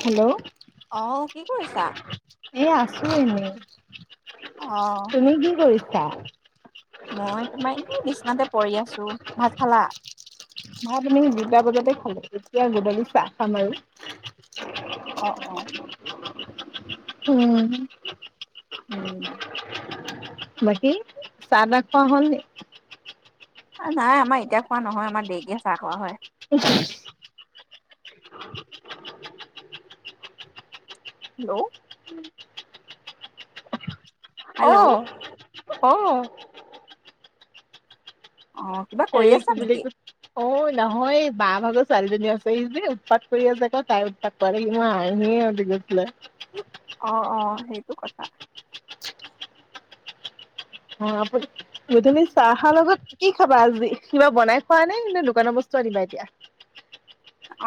Hello অ কি কৰিছা? এ আছো এনে, অ', তুমি কি কৰিছা? মই তোমাৰ এনে বিচনাতে পৰি আছো। ভাত খালা? ভাত এনে দুটা বজাতে খালো এতিয়া গধূলি চাহ খাম আৰু। অ অ। উম। উম। বাকী চাহ তাহ খোৱা হ'ল নি? আ নাই আমাৰ এতিয়া খোৱা নহয় আমাৰ দেৰিকে চাহ খোৱা হয়। [unintelligible] হেল্ল' অ হেল্ল', অ। অ। কিবা কৰি হেৰি আছা কি বুলি নেকি? কয় অ নহয় বা ভাগৰ ছোৱালীজনী আছেহি যে উৎপাত কৰি আছে কৌ তাইৰ উৎপাত [unintelligible] অ' অ' সেইটো কথা। অ' আপুনি গধুলি চাহৰ লগত কি খাবা আজি? কিবা বনাই খোৱা নে! নে দোকানৰ বস্তু আনিবা এতিয়া?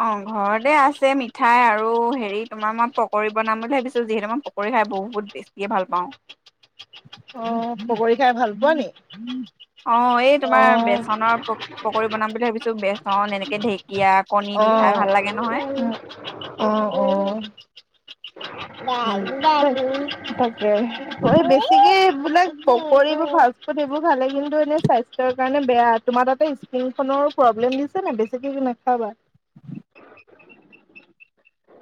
অ' ঘৰতে আছে মিঠাই আৰু হেৰি তোমাৰ মই পকৰি বনাম বুলি ভাবিছো যিহেতু মই পক পকৰি খাই বহুত বেছিয়ে ভাল পাওঁ। অ পকৰী খাই ভাল পোৱা নি? অ' এই তোমাৰ অ', বেচনৰ প পকৰি বনাম বুলি ভাবিছো বেচন এনেকে ঢেক ঢেকিয়া, কণী দি খাই অ', ভাল লাগে নহয়। অ' অ'। [unintelligible] উম। পকৰিবোৰ ফাষ্টফুড এইেবোৰ ভাক লাগিল কিন্তু এতিয়া স্বাস্থ্যৰ কাৰণে বেয়া, তোমাৰ তাতে নোনখনৰো প্ৰব্লেম দিছে নে বেছিকেনি নাখাবা।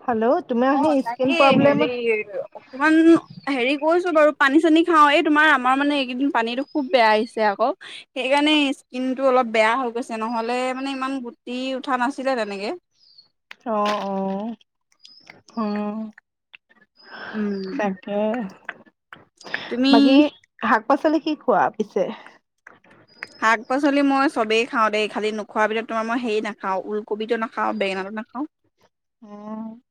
হেল্ল' তোমাৰ হেই স্কিনখ এ হেৰি অকমান হেৰি কৰিছোঁ বাৰু পানী চানী খাওঁ, এই তোমাৰ আমাৰ মানে এইগিদিন পানীটো খুব বেয়া আহিছে আকৌ সেইকাৰণে স্কিনটো অলপ বেয়া হৈ গৈছে নহ'লে মানে ইমান গোট টি উঠা নাছিলে তেনেকে। অ', অ', অ'। উম। তাকে, তুমি বাকী শাক-পাচলি কি খোৱা পিছে। শাক, পাচলি মই চবে খাওঁ দে, খালী নোখোৱা ভিতৰত তোমাৰ মই হেই নাখাওঁ উলকবিটো নাখাওঁ, বেগেনাটো নাখাওঁ। অ'।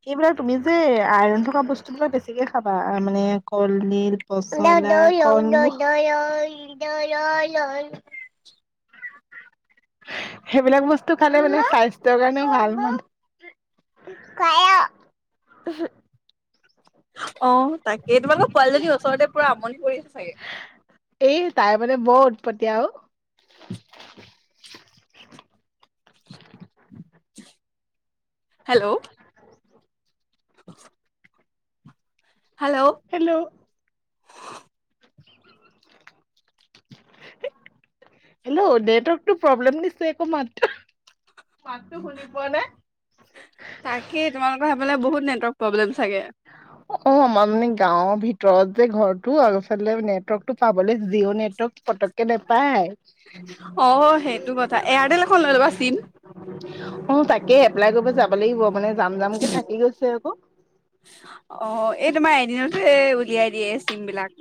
সেইবিলাক তুমি যে আইৰন থকা বস্তু বিলাক বেছিকে খাবা মানে ক'লদিল। বস্তু বিলাক হেইবিলাক বস্তু খালে মানে স্বাস্থ্যৰ কাৰণে ভাল [unintelligible] অ', তাকে তোমালোকৰ পোৱালীজনী এই ওচৰতে পুৰা আমনি কৰি আছে চাগে। এই তাই মানে বৰ উৎপত্তিয়া অ'। হেল্ল'। [inaudible] হেল্ল'। হেল্ল'। হেল্ল' নেটৱৰ্কটো প্ৰব্লেম দিছে একো মাতটো শুনি পোৱা নাই তাকেই তোমালোকৰ সেইফালে বহুত নেটৱৰ্ক প্ৰব্লেম চাগে। অ'। অ', আমাৰ মানে গাঁৱৰ ভিতৰত যে ঘৰটো আৰু ইফালে নেটৱৰ্কটো পাবলে, জিঅ' নেটৱৰ্ক পতক কে নেপায়। অ', সেইটো কথা এয়াৰটেল এখন লৈ ল'বা চিম। অ', তাকেই এপ্লাই কৰিব যাব লাগিব মানে যাম যামকে থাকি গৈছে আকৌ। অ ', এই তোমাৰ এদিনতে উলিয়াই দিয়া চিম বিলাক।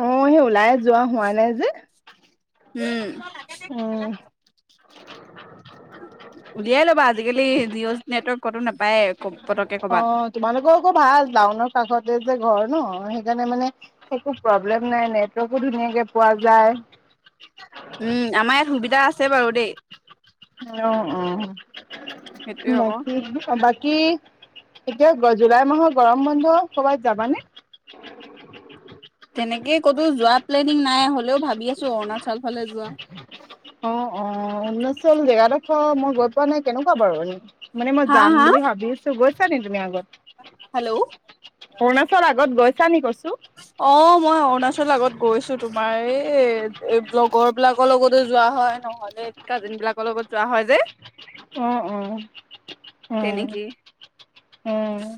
অ', হেই ওলাই যোৱা হোৱা নাই যে। উম। উম। উলিয়াই ল'বা আজিকালি জিঅ' নেটৱৰ্ক ক'তো নাপায়ৱে কব পতকে অ কৰ'বাত। তোমালোকৰ আকৌ ভাল টাউনৰ কাষতে যে ঘৰ ন' সেইকাৰণে মানে একো প্ৰব্লেম নাই নেটৱৰ্কো ধুনীয়াকে পোৱা যায়। উম, আমাৰ ইয়াত সুবিধা আছে বাৰু দেই। অ', সেইটোয়ে অ', আকৌ বাকী চব বাকী এতিয়া জুলাই মাহৰ গৰম বন্ধ ক'ৰবাত যাবনে? তেনেকে ক'তো যোৱা প্লেনিং নাই হ'লেও ভাবি আছো অৰুণাচল ফালে যোৱা। অ', অ', অৰুণাচল জেগাদখৰ মই গৈ পোৱা নাই, কেনেকুৱা বাৰু এনেই? মানে মই হা যাম হা বুলি ভাবি আছো, গৈছেনে তুমি আগত? হেল্ল'? অৰুণাচল আগত গৈছে নি কৈছোঁ? অ', মই অৰুণাচল আগত গৈছো তোমাৰ এই, এই লগৰ লগৰ লগতো যোৱা হয় নহ'লে কাজিন বিলাকৰ লগত যোৱা হয় যে। অ', অ'। তে অ', নেকি। অ',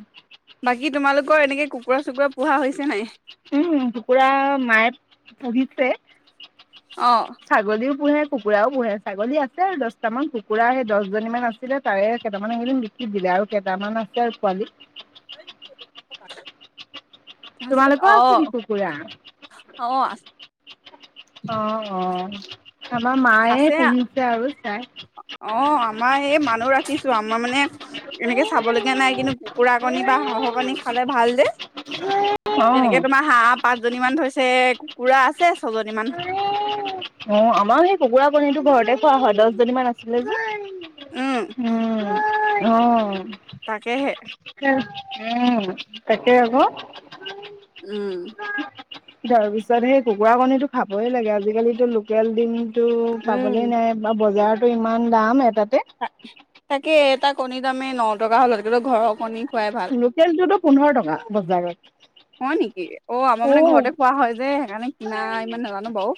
বাকী তোমালোকৰ এনেকে কুকুৰা চুকুৰা পোহা হৈছে নাই? উম, কুকুৰা মায়ে পুহিছে। অ'। ছাগলীও পোহে কুকুৰাও পোহে, ছাগলী আছে আৰু দহটামান কুকুৰা দহজনী মমান আছিলে তাৰে কেইটামান আছিল। দি দিলে, আৰু কেইটামান আছে আৰু পোৱালি। [unintelligible] তোমালোকৰ অ আছে নেকি কুকুৰা? অ' আছে। অ', অ' আমাৰ মায়ে আছে পুহিছে আৰু চাই। অ', আমাৰ এই মানুহ ৰাখিছো, আমাৰ মানে এনেকে চাব লগীয়া নাই। কিন্তু কুকুৰা কুকুৰা বা হাঁহৰ কণী খালে ভাল যে, অ তেনেকে তোমাৰ হাহঁ পাঁচজনী মান থৈছে কুকুৰা আছে ছজনী মান। অ', আমাৰ সেই কুকুৰা কণীটো ঘৰতে খোৱা হয় দহজনীমান আছিলে উম যে। উম, অ'। তাকেহে। উম তাকে আকৌ। উম। তাৰ পিছত সেই কুকুৰা কণীটো খাবই লাগে। আজিকালিতো লোকেল দিম টো পাবলে উম নাই আৰু বজাৰত ইমান দাম এটাতে। তাকে এটা কণীৰ দামেই ন টকা হ'ল। কিন্তু ঘৰৰ কণী খোৱাই ভাল লোকেলটোতো পোন্ধৰ টকা বজাৰত। হয় নেকি? অ' আমাৰ মানে ঘৰতে অ খোৱা হয় যে, সেইকাৰণে কিমান নাই ইমান নাজানো বাৰু।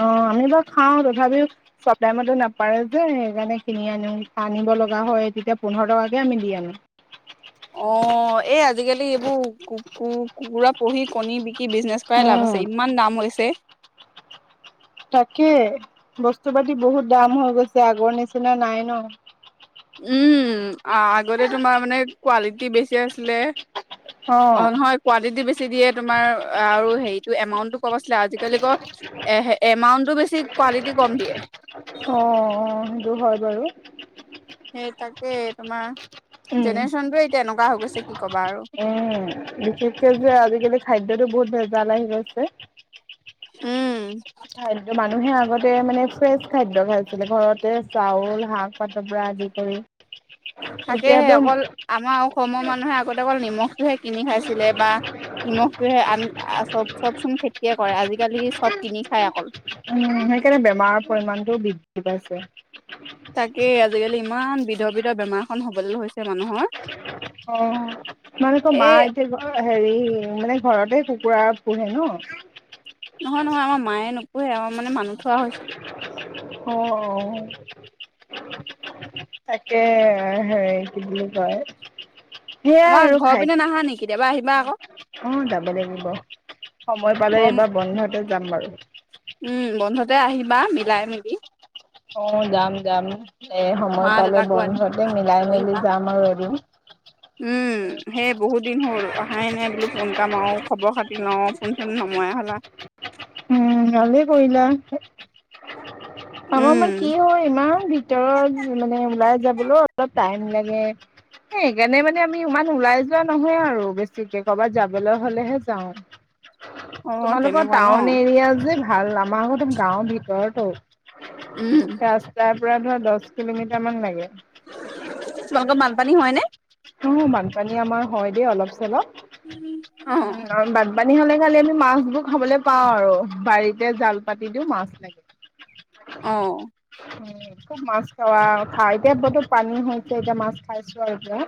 অ', আমি বাৰু খাওঁ তথাপিও চব টাইমতে নাপাৰে যে, সেইকাৰণে কিনি আনো আনিব লগা হয়। তেতিয়া পোন্ধৰ টকাকে আমি দি আনো। হয় [unintelligible] অ', এই আজিকালি এইবোৰ কু কু কুকুৰা পুহি কণী বিক্ৰি কি বিজনেছ কৰাই লাভ উম আছে, ইমান দাম হৈছে। তাকে, বস্তু পাতি বহুত দাম হৈ গৈছে আগৰ নিচিনা নাই ন? উম, আগতে তোমাৰ মানে কোৱালিটি বেছি আছিলে। অ' নহয় কুৱানটিটি বেছি দিয়ে তোমাৰ আৰু হেৰিতটো এমাউন্টটো কম আছিলে। আজি আজিকালি এ এমাউণ্টটো বেছি কোৱালিটি কম অ', দিয়ে। অ' সেইটো হয় বাৰু। সেই তাকে তোমাৰ উম জেনেৰেশ্যনটোৱে এতিয়া এনেকুৱা হৈ গৈছে কি কবা আৰু উম বিশেষকে যে আজিকালি খাদ্যটো বহুত ভেজাল আহি গৈছে উম খাদ্য মানুহে আগতে মানে ফ্ৰেছ খাদ্য খাইছিলে ঘৰতে চাউল শাক পাটৰ পৰা আদি কৰি থাকেহে এতিয়াতো উম অকল আমাৰ অসমৰ মানুহে আগতে অকল নিমখটোহে কিনি খাইছিলে বা নিমখ বোৰে আন আ চব চব চোন খেতিয়ে কৰে আজিকালি চব কিনি খায় অকল উম সেইকাৰণে বেমাৰৰ পৰিমণতটো বৃদ্ধি পাইছে তাকে আজিকালি ইমান বিধ বিধ বেমাৰ খন হবলে হৈছ অ তোমালোক এই এতিয়া গ অ হেৰি মানে ঘৰতে কুকুৰা পোহে ন নহয় নহয় আমাৰ মায়ে নপোহে আমাৰ মানে মানুহ থোৱা হৈছে অ তাকে হে কি বুলি কয় সেয়াই আমাৰ আৰু ঘৰৰ খাই পিনে নাহা নি কেতিয়াবা আহিবা আকৌ অ', যাব লাগিব, সময় পালে বম এইবাৰ বন্ধতে যাম বাৰু। উম, বন্ধতে আহিবা, মিলাই মেলি। অ', যাম যাম এ, সময় মা পালে দেউতাকো আনি বন্ধতে মিলাই লৈ মেলি আহিবা যাম আৰু এদিন। উম, সেই বহুত দিন হ'ল, অহাই নাই বোলো ফোন। তা মাও খবৰ খাতি লওঁ, ফোনচোন নমৰাই হ'লা। উম, ভালেই কৰিলা। আমাৰ মান উম কি হয়, ইমান বিক তেও মানে, ওলাই যাবলও অলপ টাইম লাগে। এ, সেইকাৰণে মানে আমি ইমান ওলাই যোৱা নহয়ে আৰু। বেছিকে ক'ৰবাত যাবলৈ হ'লেহে যাওঁ। তোমালোকৰ অ টাউন তেনেকুৱা ন এৰিয়া যে ভাল, আমাৰ আকৌ গাওঁৰ ভিতৰটো। উম। ৰাস্তাৰ পৰা ধৰা, দচ কিলোমিটাৰ মান লাগে। তোমালোকৰ বানপানী হয় নে? উম, বানপানী আমাৰ হয় দে, অলপ চলপ। অ উ আৰ বান পানী হ'লে খালি আমি মাছ বো খাবলৈ পাও আৰু বাৰীতে জাল পাতি দিও মাছ লাগে। উম। [unintelligible] অঁ। উম, খুব মাছ খাৱা খা, এতিয়া বহুত পানী হৈছে, এতিয়া মাছ খাইছো আৰু এতিয়া।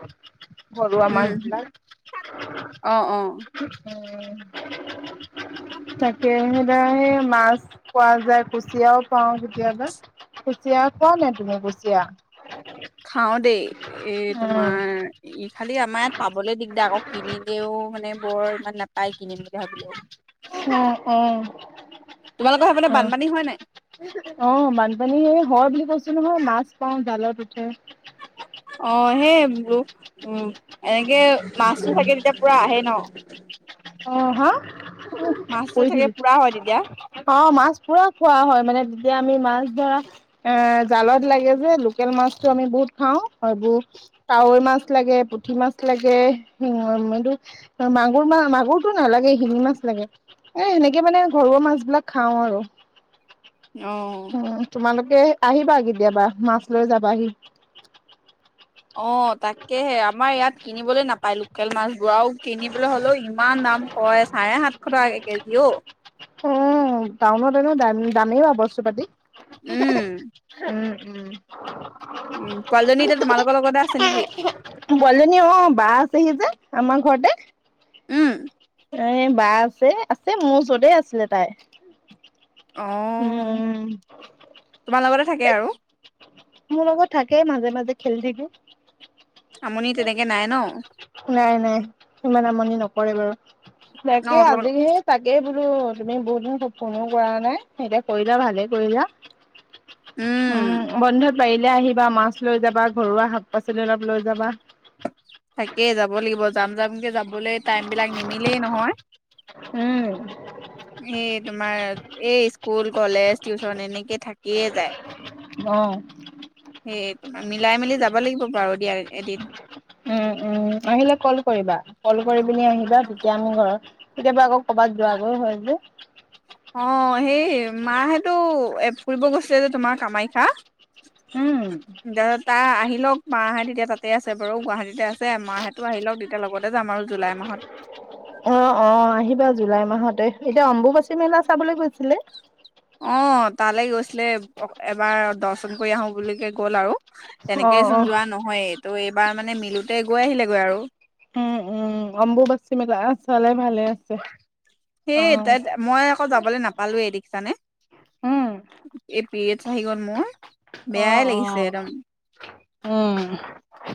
ঘৰুৱা উম মাছ বিলাক অ উম। অ [unintelligible] তাকে সেইদৰে, সেই মাছ পোৱা যায়, কুচিয়াও পাওঁ কেতিয়াবা। কুচিয়া খোৱা নাই, তুমি কুচিয়া? খাওঁ দেই, এই উম তোমাৰ এ ইফালে আমাৰ য়াত পাবলে দিগদাৰ আকৌ, কিনিলেও মানে বৰ ইমান নাপাই, কিনিম বুলি ভাবিলেও। উম, উম। তোমালোকৰ সেইফালে উম বানপানী হয় নাই? অ', বানপানী হয় বুলি কৈছো নহয়, মাছ পাওঁ, জালত উঠে। অ', সেই বো, উম, এনেকে মাছটো থাকে তেতিয়া পুৰা আহে ন'। অঁ, হাঁ, মাছটো পৰি থাকে থাকিবি। পুৰা হয় তেতিয়া। অঁ, মাছ পুৰা খোৱা হয়, মানে যেতিয়া আমি মাছ ধৰা- এঁ জালত লাগে যে লোকেল মাছটো আমি বহুত খাওঁ, এইবোৰ- কাৱৈ মাছ লাগে, পুঠ- ঠি মাছ লাগে, উম এইটো মাগুৰ মা মাগুৰটো নালাগেই, শিঙি মাছ লাগে। এ, সেনেকে মানে ঘৰুৱা মাছ বিলাক খাওঁ আৰু। অ'। উম' তোমালোকে আহিবা কেতিয়াবা, মাছ লৈ যাবাহি। অঁ' তাকেহে, আমাৰ এয়াত- কিনিবলৈ নাপায় লোকেল মাছবোৰ, আও কিনিবলে হ'লেও ইমান দাম কয় চাৰে সাতশ টকা কেজি অও। অঁ টাউনত এনেও দা, দামেই বাৰু বস্তু পাটি। উম, উম, উম। উম, পোৱালীজনী এতিয়া তোমালোকৰ লগতে আছে নেকি? পোৱালিজনী অঁ' বা আছেহি যে আমা ঘৰতে। উম, এঁ বা আছে, আছে মোৰ ওচৰতে আছিলে তাই। অ'। উওম। তোমাৰ লগতে থাকে আৰু। মোৰ লগত থাকে মাজে মাজে খেলি থাকে। আমনি তেনেকে নাই ন'। নাই নাই সিমান আমনি নকৰে বাৰু, বাকী অ' তোমালোকৰ আজি- তাকে বোলো তুমি বহুত দিন ফোনো কৰা নাই এতিয়া কৰিলা ভালে কৰিলা। উম। উম' বন্ধত পাৰিলে আহিবা মাছ লৈ যাবা ঘৰুৱা শাক পাচলি অলপ লৈ যাবা। তাকেই যাব লাগিব যাম যামকে যাব- বলেই টাইমবিলাক নিমিলেই নহয়। উম এই তোমাৰ- এই স্কুল কলেজ টিউচন এনেকে থাকিয়ে যায়। অঁ' সেয়ে মিলাই মেলি যাব লাগিব বাৰু দিয়া এদিন। উম উম, আহিলে কল কৰিবা কল কৰিবা, কল কৰি পিনি আহিবা তেতিয়া মোৰ ঘৰৰ- কেতিয়াবা আকৌ কৰ'বাত যোৱাগৈ হয় যে। অঁ সেই মাহেঁতো ফুৰিব গৈছিলে যে তোমাৰ কামাখ্যা। উম [unintelligible] তাই আহি লওক মাহেঁত এতিয়া তাতেই আছে বাৰু গুৱাহাটীতে আছে মাহেঁতো আহি লওক তেতিয়া লগতে যাম আৰু জুলাই মাহত। অঁ অঁ আহিবা জুলাই মাহতে এতিয়া অম্বুবাচী মেলা চাবলৈ গৈছিলে। অঁ তালে গৈছিলে এবাৰ দৰ্শন কৰি আহোঁ বুলিকে গ'ল আৰু। অ তেনেকেই অ চোন যোৱা নহয়ে তো এইবাৰ মানে মিলোতে গৈ আহিলেগৈ আৰু। উম উম' অম্বুবাচী মেলা আ চালে ভালে আছে। অ সেই তাই মই আকৌ যাবলে নাপালোৱে দেখিচানে। উম এই পিৰিয়েডচ আহি গ'ল মোৰ অ বেয়াই অ লাগিছে একদম। উম।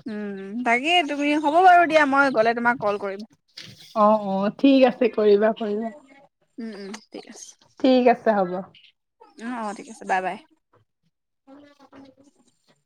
উম উম' তাকেই তুমি হ'ব বাৰু দিয়া মই গ'লে তোমাক কল কৰিম। অঁ অ‍ঁ ঠিক আছে কৰিবা কৰিবা। উম' উম' ঠিক আছে। ঠিক আছে হ'ব। অঁ অঁ ঠিক আছে বাই বাই। [unintelligible]